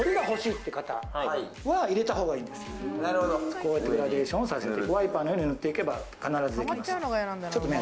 こうやってグラデーションさせてワイパーのように塗っていけば、必ずできます。